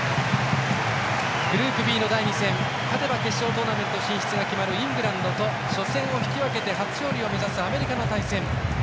グループＢの第２戦勝てば決勝トーナメント進出が決まるイングランドと初戦を引き分けて初勝利を目指すアメリカの対戦。